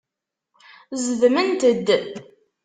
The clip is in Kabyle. Zedment-d.